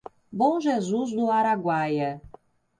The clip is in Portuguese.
Bom Jesus do Araguaia